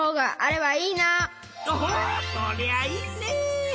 おおそりゃあいいね！